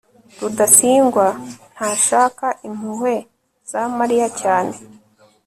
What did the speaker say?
rudasingwa ntashaka impuhwe za mariya cyane